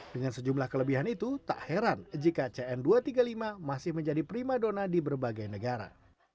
dengan sejumlah kelebihan itu tak heran jika cn dua ratus tiga puluh lima masih menjadi prima dona di berbagai negara